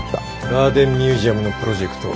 ガーデンミュージアムのプロジェクト